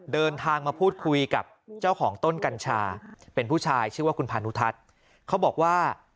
เดินทางมาพูดคุยกับเจ้าของต้นกัญชาเป็นผู้ชายชื่อว่าคุณพานุทัศน์เขาบอกว่า